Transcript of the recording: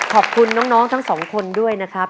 ขอบคุณน้องทั้งสองคนด้วยนะครับ